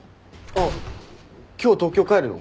あっ今日東京帰るの？